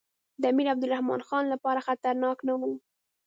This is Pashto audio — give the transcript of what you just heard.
د امیر عبدالرحمن خان لپاره خطرناک نه وو.